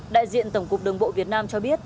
đại diện tổng cục đường bộ việt nam cho biết